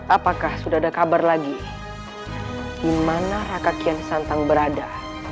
apakah sudah ada kabar lagi di mana raka kian santang berada